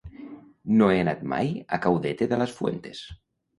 No he anat mai a Caudete de las Fuentes.